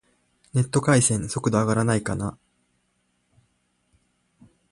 ネット回線、速度上がらないかな